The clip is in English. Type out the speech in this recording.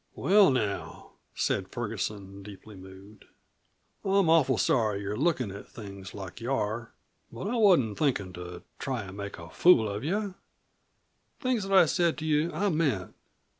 "Well, now," said Ferguson, deeply moved; "I'm awful sorry you're lookin' at things like you are. But I wasn't thinkin' to try an' make a fool of you. Things that I said to you I meant.